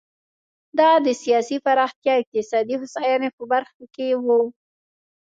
دا د سیاسي پراختیا او اقتصادي هوساینې په برخو کې و.